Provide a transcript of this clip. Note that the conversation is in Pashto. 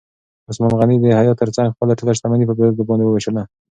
عثمان غني د حیا تر څنګ خپله ټوله شتمني په بېوزلو باندې ووېشله.